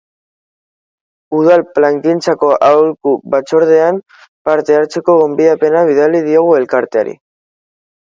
Udal plangintzako aholku batzordean parte hartzeko gonbidapena bidali diogu elkarteari.